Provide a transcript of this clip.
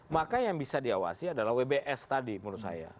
maka yang bisa diawasi adalah wbs tadi menurut saya